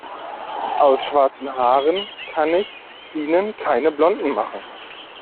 Aus schwarzen Haaren kann ich Ihnen keine blonden machen.